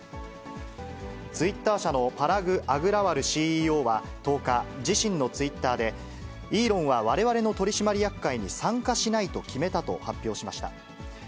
ツイッター社のパラグ・アグラワルＣＥＯは１０日、自身のツイッターで、イーロンはわれわれの取締役会に参加しないと決めたと発表しました。